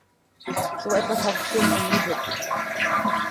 So etwas habe ich schon vermutet.